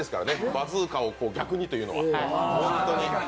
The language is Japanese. バズーカを逆にというのは。